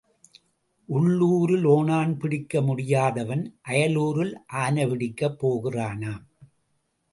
உள்ளூரில் ஓணான் பிடிக்க முடியாதவன் அயலூரில் ஆனை பிடிக்கப் போகிறானாம்.